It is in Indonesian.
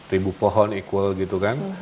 ribu pohon equel gitu kan